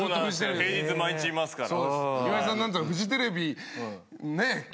平日毎日いますから。